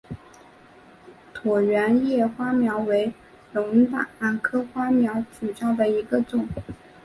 椭圆叶花锚为龙胆科花锚属下的一个种。